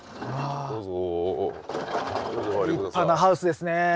立派なハウスですね。